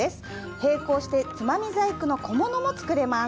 並行してつまみ細工の小物も作れます。